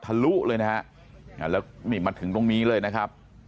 ลุเลยนะฮะแล้วนี่มาถึงตรงนี้เลยนะครับ